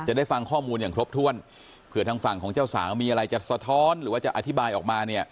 ใช่ค่ะถูกต้องค่ะ